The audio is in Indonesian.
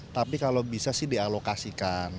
tapi kalau bisa sih dialokasikan